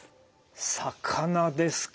魚ですか。